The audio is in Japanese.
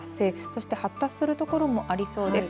そして発達する所もありそうです。